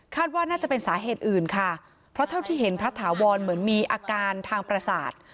ว่าน่าจะเป็นสาเหตุอื่นค่ะเพราะเท่าที่เห็นพระถาวรเหมือนมีอาการทางประสาท